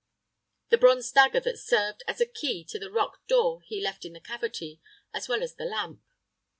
The bronze dagger that served as a key to the rock door he left in the cavity, as well as the lamp.